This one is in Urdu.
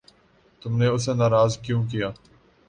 تم نے اسے ناراض کیوں کیا؟